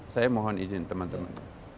saya mohon izin teman teman